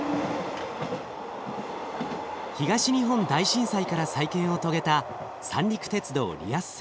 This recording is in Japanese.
東日本大震災から再建を遂げた三陸鉄道リアス線。